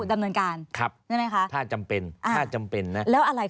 ไม่ใช่อ่านอย่างเดียว